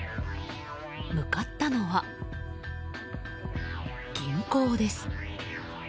向かったのは、銀行です。